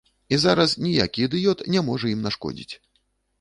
І зараз ніякі ідыёт не можа ім нашкодзіць.